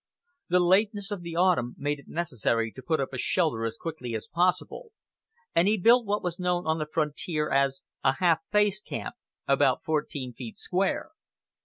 The lateness of the autumn made it necessary to put up a shelter as quickly as possible, and he built what was known on the frontier as a half faced camp, about fourteen feet square.